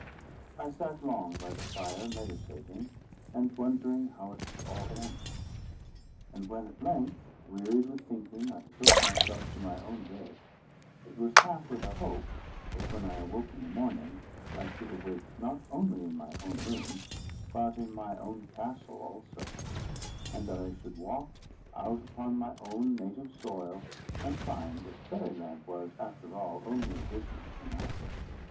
I sat long by the fire, meditating, and wondering how it would all end; and when at length, wearied with thinking, I betook myself to my own bed, it was half with a hope that, when I awoke in the morning, I should awake not only in my own room, but in my own castle also; and that I should walk, out upon my own native soil, and find that Fairy Land was, after all, only a vision of the night.